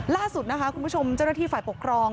ล่าสุดนะคะคุณผู้ชมเจ้าหน้าที่ฝ่ายปกครอง